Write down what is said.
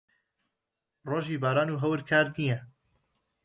ڕۆژی باران و هەور کار نییە.